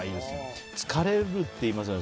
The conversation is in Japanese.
疲れるっていいますよね